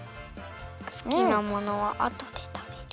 すきなものはあとでたべる。